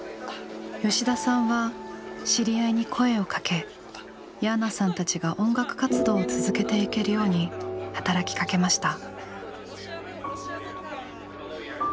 吉田さんは知り合いに声をかけヤーナさんたちが音楽活動を続けていけるように働きかけました。